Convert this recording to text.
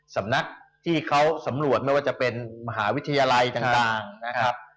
สำนักที่เขาสำรวจไม่ว่าจะเป็นมหาวิทยาลัยต่างนะครับ